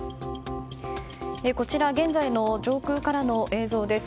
こちら現在の上空からの映像です。